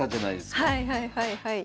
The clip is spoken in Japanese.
はいはいはいはい。